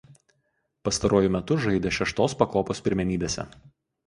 Pastaruoju metu žaidė šeštos pakopos pirmenybėse.